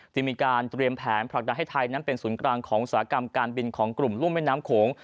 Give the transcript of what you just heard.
จะมีการเตรียมแผนผลักดันให้ไทยนั้นเป็นศูนย์กลางของอุตสาหกรรมการบินของกลุ่มรุ่มแม่น้ำโขง